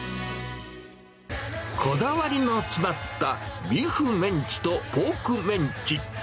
こだわりの詰まったビーフメンチとポークメンチ。